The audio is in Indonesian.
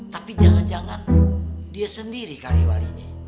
tapi jangan jangan dia sendiri kali walinya